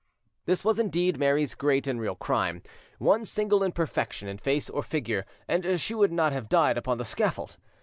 This was indeed Mary's great and real crime: one single imperfection in face or figure, and she would not have died upon the scaffold.